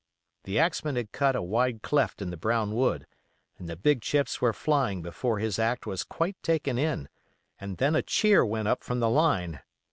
The axeman had cut a wide cleft in the brown wood, and the big chips were flying before his act was quite taken in, and then a cheer went up from the line.